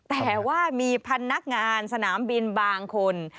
แต่ว่ามีพนักงานสนามบินบางคน